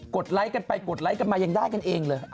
ดไลค์กันไปกดไลค์กันมายังได้กันเองเลย